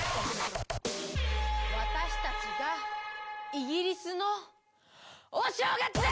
私たちがイギリスのお正月で。